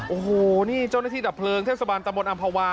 โอ้โหนี่เจ้าหน้าที่ดับเพลิงเทศบาลตะมนตอำภาวา